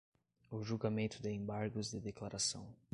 o julgamento de embargos de declaração